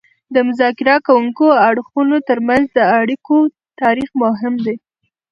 د مذاکره کوونکو اړخونو ترمنځ د اړیکو تاریخ مهم دی